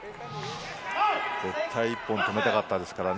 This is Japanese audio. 絶対、１本とめたかったですからね。